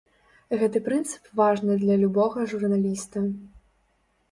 Гэты прынцып важны для любога журналіста.